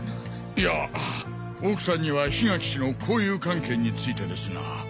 いや奥さんには檜垣氏の交友関係についてですな。